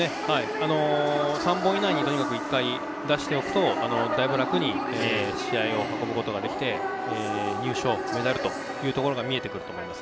３本以内でとにかく１回出しておくとだいぶ楽に試合を運ぶことができて優勝、メダルというところが見えてくると思います。